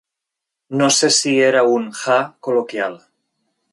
No sé si era un ‘ha’ col·loquial.